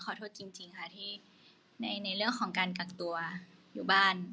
ขอโทษจริงค่ะที่ในเรื่องของการกักตัวอยู่บ้าน